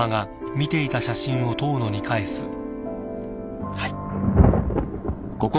はい。